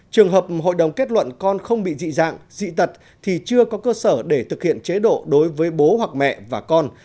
trường hợp hội đồng kết luận con không bị dị dạng dị tật thì chưa có cơ sở để thực hiện chế độ đối với bố hoặc mẹ và con